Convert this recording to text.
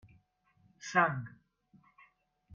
Sang.